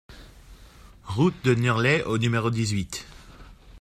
Route de Nurlet au numéro dix-huit